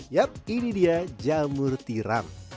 yap ini dia jamur tiram